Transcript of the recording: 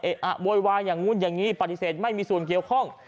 อะโวยวายอย่างนู้นอย่างนี้ปฏิเสธไม่มีส่วนเกี่ยวข้อง